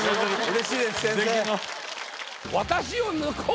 嬉しいです先生。